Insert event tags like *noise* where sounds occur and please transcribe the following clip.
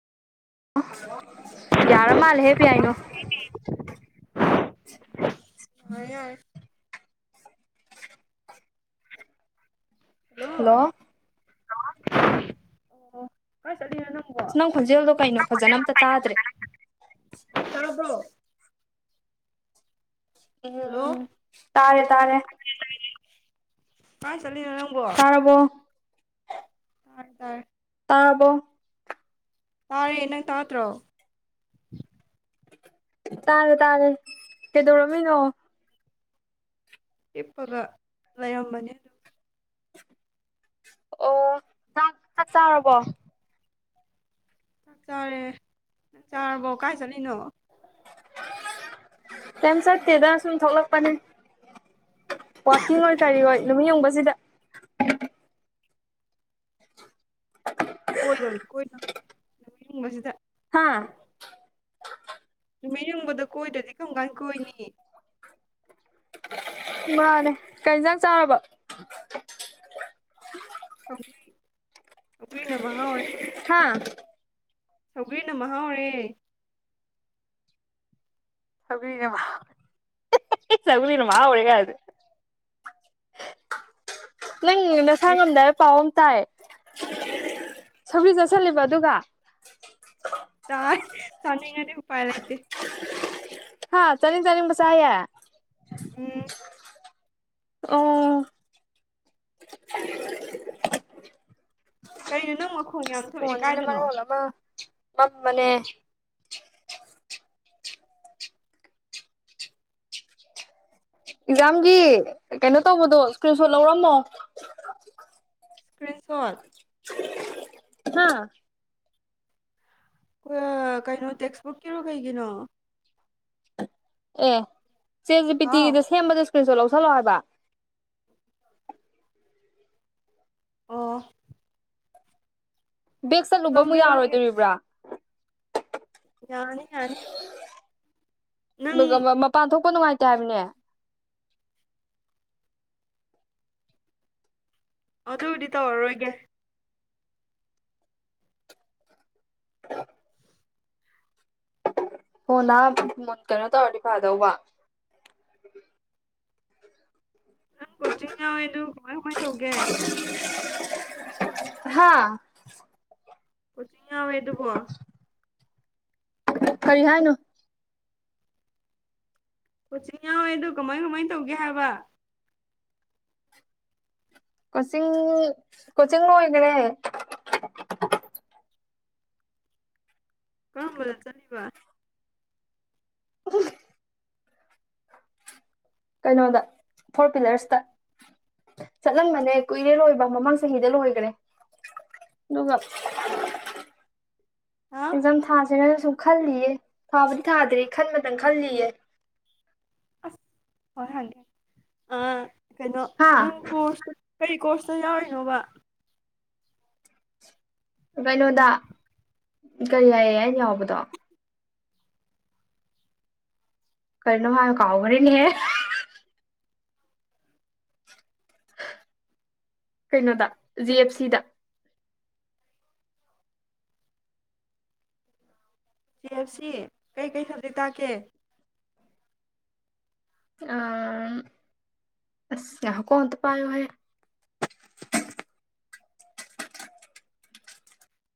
ꯌꯥꯔ ꯃꯥꯜꯂꯦ ꯍꯦꯞꯄ ꯌꯥꯏꯅꯣ ꯑ ꯌꯥꯔ ꯍꯜꯂꯣ ꯑꯣ ꯀꯥꯏ ꯆꯠꯂꯤꯅꯣ ꯅꯪꯕꯣ ꯅꯡ ꯈꯣꯟꯖꯦꯜꯗꯣ ꯀꯩꯅꯣ ꯐꯖꯅ ꯑꯝꯇ ꯇꯥꯗ꯭ꯔꯦ ꯇꯥꯕ꯭ꯔꯣ ꯍꯜꯂꯣ ꯎꯝ ꯇꯥꯔꯦ ꯇꯥꯔꯦ ꯀꯥꯏ ꯆꯠꯂꯤꯅꯣ ꯇꯥꯔꯕꯣ ꯇꯥꯔꯦ ꯇꯔꯕꯣ ꯇꯥꯔꯦ ꯅꯪ ꯇꯥꯇ꯭ꯔꯣ ꯇꯥꯔꯦ ꯇꯥꯔꯦ ꯀꯩꯗꯧꯔꯝꯃꯤꯅꯣ ꯍꯤꯞꯄꯒ ꯂꯩ ꯌꯥꯝꯝꯕꯅꯤ ꯑꯗꯨ ꯑꯣ ꯆꯛ ꯆꯔꯔꯕꯣ ꯆꯔꯦ ꯆꯔꯕꯣ ꯀꯥꯏ ꯆꯂꯤꯅꯣ ꯀꯝ ꯆꯠꯇꯦꯗ ꯁꯨꯝ ꯊꯣꯛꯂꯛꯄꯅꯦ ꯋꯥꯀꯤꯡ ꯑꯣꯏ ꯀꯔꯤ ꯑꯣꯏ ꯅꯨꯃꯤꯠ ꯌꯡꯕꯁꯤꯗ ꯀꯣꯏꯔꯣꯏ ꯀꯣꯏꯔꯣꯏꯨꯡꯕꯁꯤꯗ ꯍꯥ ꯅꯨꯃꯤꯠ ꯌꯡꯕꯗ ꯀꯣꯏꯗ꯭ꯔꯗꯤ ꯀꯔꯝ ꯀꯥꯟ ꯀꯣꯏꯅꯤ ꯃꯥꯅꯦ ꯀꯩꯌꯦꯟꯖꯥꯡ ꯆꯥꯔꯕ ꯁꯥꯎꯒꯔꯤ ꯁꯧꯒ꯭ꯔꯤꯅ ꯃꯍꯥꯎꯔꯦ ꯍꯥꯥ ꯁꯧꯒ꯭ꯔꯤꯅ ꯃꯍꯥꯎꯔꯦ ꯁꯧꯒꯔꯤꯅ ꯃꯍꯥꯎꯔꯦ ꯀꯥꯢꯅ ꯍ *unintelligible* *inaudible* ꯅꯪ ꯅꯁꯥ ꯀꯔꯤ ꯉꯝꯗꯥꯏꯕ ꯄꯥꯎ ꯑꯃ ꯇꯥꯏ ꯁ ꯆꯠꯂꯤꯕ ꯑꯗꯨꯒ ꯆꯅꯤꯡ ꯉꯗꯤ ꯎ ꯄꯥꯏ ꯂ ꯏꯇꯦ ꯍꯥ ꯆꯅꯤꯡ ꯆꯅꯤꯡꯕ ꯆꯥꯢꯌꯦ ꯎꯝ ꯑ ꯀꯩꯩꯅꯣꯅ ꯐꯣꯟꯟꯁꯤꯅ ꯃꯔꯣꯜ ꯑꯃꯥ ꯑꯦꯛꯖꯥꯝꯒꯤ ꯀꯩꯅꯣ ꯇꯧꯕꯗꯣ ꯏꯁꯀ꯭ꯔꯤꯟ ꯁꯣꯠ ꯂꯧꯔꯝꯃꯣ ꯏꯁ꯭ꯀ꯭ꯔꯤꯁꯣꯜ ꯍꯥꯥ ꯀꯩꯅꯣ ꯇꯦꯛꯁꯕꯨꯛ ꯀꯔꯣ ꯀꯩꯒꯤꯅꯣ ꯑꯦ ꯆꯦꯁꯦ ꯄꯤ ꯍꯥꯎ ꯇꯤꯚꯤꯗ ꯁꯦꯝꯕꯗ ꯏꯁꯀ꯭ꯔꯤꯟꯁꯨ ꯂꯧꯁꯤꯜꯂꯣ ꯍꯥꯏꯕ ꯑꯣ ꯕꯦꯦꯛ ꯆꯠꯂꯨꯕ ꯑꯃꯨꯛ ꯂꯧꯒꯦ ꯂꯧꯒꯦ ꯌꯥꯔꯣꯏꯗꯣꯔꯤꯕ꯭ꯔꯥ ꯌꯥꯅꯦꯦ ꯌꯥꯅꯦꯦ ꯃꯄꯥꯟ ꯊꯣꯛꯄ ꯅꯨꯡꯉꯥꯏꯇꯦ ꯍꯥꯏꯕꯅꯦ ꯑꯗꯨꯕꯨꯗꯤ ꯇꯧꯔꯔꯣꯏꯒꯦ ꯍꯣ ꯅ ꯀꯩꯅꯣ ꯇꯧꯔꯗꯤ ꯐꯗꯧꯕ ꯅꯪ ꯀꯣꯆꯤꯡ ꯌꯥꯎꯋꯦ ꯑꯗꯨ ꯀꯃꯥꯏ ꯀꯃꯥꯏꯅ ꯇꯧꯒꯦ ꯍꯥꯥ ꯀꯣꯆꯤꯡ ꯌꯥꯎꯏꯗꯨꯕꯨ ꯀꯔꯤ ꯍꯥꯏꯅ ꯀꯣꯆꯤꯡ ꯌꯥꯎꯋꯦ ꯑꯗꯣ ꯀꯃꯥꯏ ꯀꯃꯥꯏ ꯇꯧꯒꯦ ꯍꯥꯏꯕ ꯀꯣꯆꯤꯡ ꯀꯣꯆꯤꯡ ꯂꯣꯏꯈ꯭ꯔꯦ ꯀꯔꯝꯕ ꯆꯠꯕ ꯀꯩꯅꯣꯗ ꯐꯣꯔ ꯄ꯭ꯋꯤꯂꯔꯁꯇ ꯆꯠꯂꯝꯕꯅꯦ ꯀꯨꯏꯔꯦ ꯂꯣꯏꯕ ꯃꯃꯥꯡ ꯆꯍꯤꯗ ꯂꯣꯏꯈ꯭ꯔꯦ ꯑꯗꯨꯒ ꯍꯥ ꯑꯦꯖꯝ ꯊꯥꯥꯁꯦꯅ ꯁꯨ ꯈꯜꯂꯤꯌꯦ ꯊꯥꯕꯨꯗꯤ ꯊꯥꯗ꯭ꯔꯦ ꯈꯟꯕꯇꯪ ꯈꯜꯂꯤꯌꯦ ꯍ ꯍꯥꯏꯦ ꯑ ꯀꯩꯅꯣ ꯍꯥ ꯅꯪ ꯀꯩ ꯀꯣꯔꯁꯇ ꯌꯥꯎꯔꯤꯅꯣꯕ ꯀꯩꯅꯣꯗ ꯀꯔꯤ ꯍꯥꯏꯌꯦ ꯑꯩꯅ ꯌꯥꯎꯕꯗꯣ ꯀꯅ ꯃꯥ ꯀꯥꯎꯒꯅꯤꯅꯤ ꯍꯥꯏ ꯀꯩꯅꯣꯗ ꯖꯤ ꯑꯦꯞ ꯁꯤꯗ ꯁꯤꯞ ꯁꯤ ꯀꯩꯀꯩ ꯊꯥꯗꯩ ꯇꯥꯛꯀꯦ ꯑꯝ ꯑ ꯀꯨꯟꯠꯇ ꯄꯥꯣ ꯍꯥꯏꯌꯦ *unintelligible*